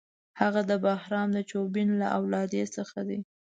هغه د بهرام چوبین له اولادې څخه دی.